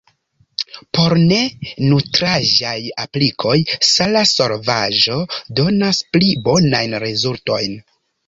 Por ne-nutraĵaj aplikoj sala solvaĵo donas pli bonajn rezultojn.